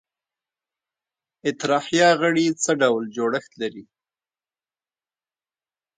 اطراحیه غړي څه ډول جوړښت لري؟